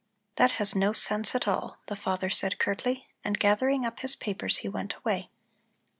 "That has no sense at all," the father said curtly, and gathering up his papers he went away.